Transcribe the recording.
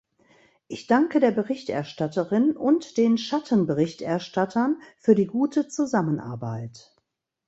Ich danke der Berichterstatterin und den Schattenberichterstattern für die gute Zusammenarbeit.